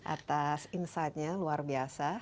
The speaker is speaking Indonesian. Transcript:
atas insightnya luar biasa